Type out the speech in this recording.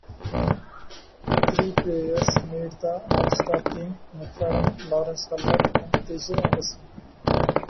Three players made the all-star team, McFadden, Lawrence Culver, and TeJay Anderson.